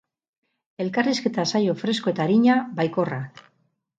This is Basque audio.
Elkarrizketa saio fresko eta arina, baikorra.